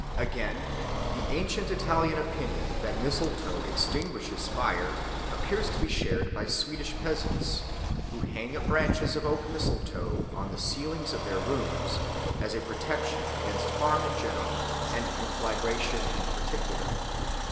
Again the ancient Italian opinion that mistletoe extinguishes fire appears to be shared by Swedish peasants, who hang up bunches of oak mistletoe on the ceilings of their rooms as a protection against harm in general and conflagration in particular.